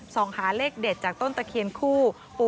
ส่องหาเลขเด็ดจากต้นตะเคียนคู่